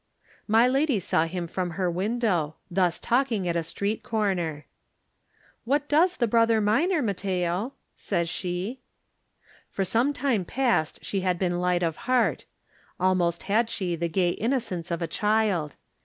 My lady saw him from her window, thus talking at a street comer. "What does the Brother Minor, Mat teo?" says she. For some time past she had been light of heart; almost had she the gay innocence of a child.